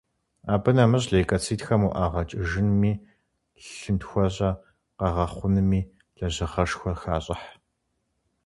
Абы нэмыщӏ, лейкоцитхэм уӏэгъэ кӏыжынми, лъынтхуэщӏэ къэгъэхъунми лэжьыгъэшхуэ хащӏыхь.